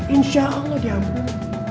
insya allah diampun